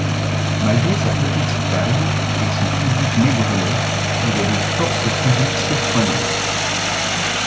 Malgré sa petite taille et son physique maigrelet, il est d'une force physique surprenante.